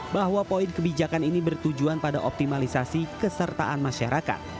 bahwa poin kebijakan ini bertujuan pada optimalisasi kesertaan masyarakat